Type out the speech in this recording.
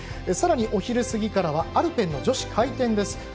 さらに、お昼過ぎからはアルペン女子回転です。